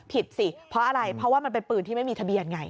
สิเพราะอะไรเพราะว่ามันเป็นปืนที่ไม่มีทะเบียนไง